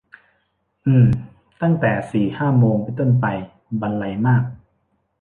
อือ ตั้งแต่สี่ห้าโมงเป็นต้นไป บรรลัยมาก